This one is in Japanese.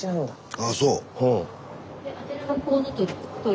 ああそう。